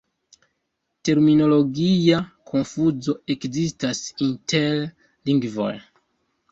Terminologia konfuzo ekzistas inter lingvoj.